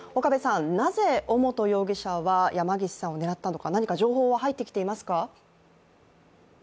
なぜ尾本容疑者は山岸さんを狙ったのか、何か情報は入ってきていますか？